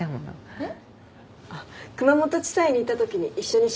えっ？